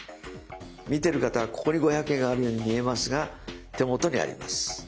見てる方はここに五百円があるように見えますが手元にあります。